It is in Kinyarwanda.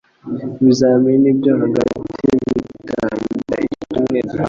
Ibizamini byo hagati bitangira icyumweru gitaha.